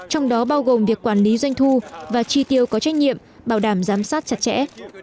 trong đó bao gồm việc quản lý doanh thu và chi tiêu có trách nhiệm bảo đảm giám sát chặt chẽ